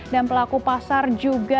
dan pelaku pasar juga